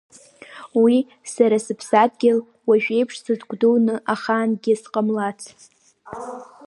Уи, сара сыԥсадгьыл, уажәеиԥш сазыгәдуны ахаангьы сҟамлац.